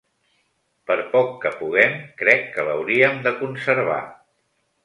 Per poc que puguem, crec que l'hauríem de conservar.